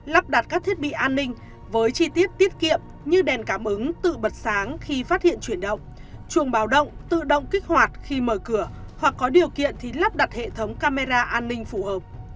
lắp đặt các thiết bị an ninh với chi tiết tiết kiệm như đèn cảm ứng tự bật sáng khi phát hiện chuyển động chuồng báo động tự động kích hoạt khi mở cửa hoặc có điều kiện thì lắp đặt hệ thống camera an ninh phù hợp